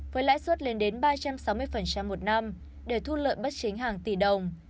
với lãi suất lên đến ba trăm sáu mươi một năm để thu lợi bất chính hàng tỷ đồng